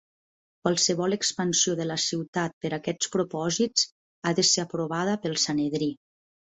Qualsevol expansió de la ciutat per aquests propòsits ha de ser aprovada pel Sanedrí.